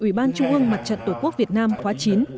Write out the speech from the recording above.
ủy ban trung ương mặt trận tổ quốc việt nam khóa chín